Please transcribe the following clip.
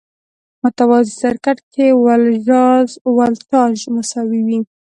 متوازي سرکټ کې ولټاژ مساوي وي.